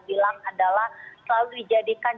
bilang adalah selalu dijadikan